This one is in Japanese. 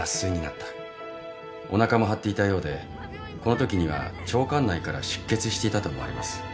おなかも張っていたようでこのときには腸管内から出血していたと思われます。